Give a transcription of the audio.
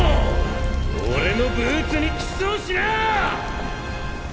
俺のブーツにキスをしな！！